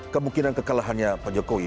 kemungkinan kekalahannya pak jokowi